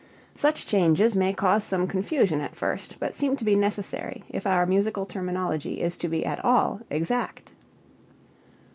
Such changes may cause some confusion at first, but seem to be necessary if our musical terminology is to be at all exact.